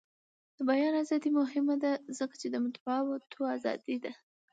د بیان ازادي مهمه ده ځکه چې د مطبوعاتو ازادي ده.